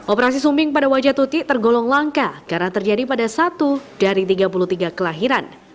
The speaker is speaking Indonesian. operasi sumbing pada wajah tutik tergolong langka karena terjadi pada satu dari tiga puluh tiga kelahiran